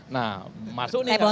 nah masuk nih barang